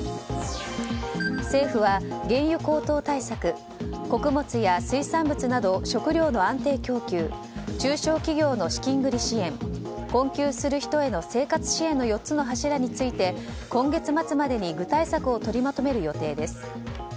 政府は原油高騰対策穀物や水産物など食料の安定供給中小企業の資金繰り支援困窮する人への生活支援の４つの柱について今月末までに具体策を取りまとめる予定です。